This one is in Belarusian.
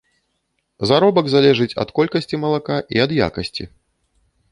Заробак залежыць ад колькасці малака і ад якасці.